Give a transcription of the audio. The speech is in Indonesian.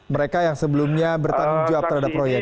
mereka yang sebelumnya bertanggung jawab terhadap proyek